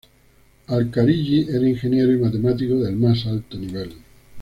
Al-Karaŷí era ingeniero y matemático del más alto nivel.